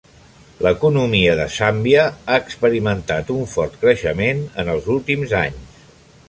L'economia de Zàmbia ha experimentat un fort creixement en els últims anys.